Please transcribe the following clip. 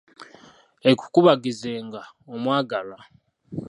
Ekukubagizenga, omwagalwa!